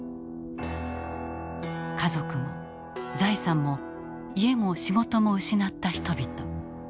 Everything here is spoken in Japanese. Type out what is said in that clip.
家族も財産も家も仕事も失った人々。